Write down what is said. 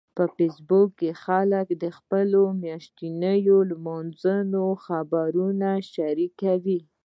په فېسبوک کې خلک د خپلو میاشتنيو لمانځنو خبرونه شریکوي